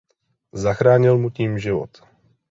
Zachránil mu tím život.